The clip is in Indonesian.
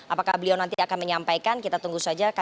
apakah beliau nanti akan menyampaikan kita tunggu saja